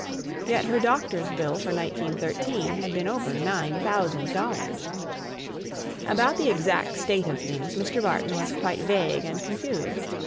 Yet her doctor's bill for 1913 had been over nine thousand dollars. About the exact state of things Mr. Barton was quite vague and confused.